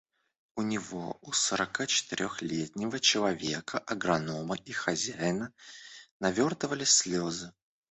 У него, у сорокачетырехлетнего человека, агронома и хозяина, навертывались слезы.